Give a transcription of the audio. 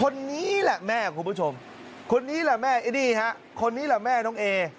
นั่นแหละแม่คุณผู้ชมคนนี้แหละแม่น้องเอ